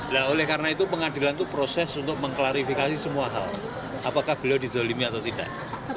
nah oleh karena itu pengadilan itu proses untuk mengklarifikasi semua hal apakah beliau dizolimi atau tidak